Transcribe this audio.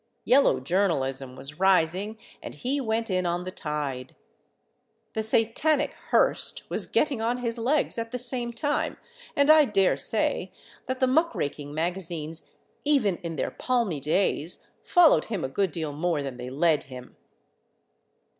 Yellow journalism was rising and he went in on the tide. The satanic Hearst was getting on his legs at the same time, and I daresay that the muck raking magazines, even in their palmy days, followed him a good deal more than they led him.